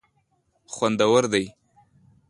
خوندور دي.